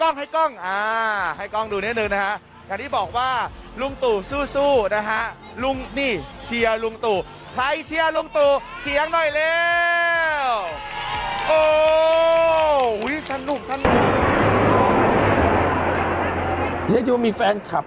นี่จะมีแฟนคลับ